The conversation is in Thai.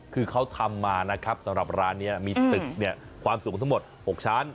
คือเขาทำมานะครับสำหรับร้านนี้มีตึกเนี่ยความสูงทั้งหมด๖ชั้น